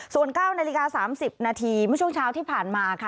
ส่วน๙นาฬิกา๓๐นาทีเมื่อช่วงเช้าที่ผ่านมาค่ะ